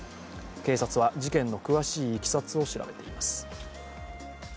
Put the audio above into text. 警察は、事件の詳しいいきさつを調べています。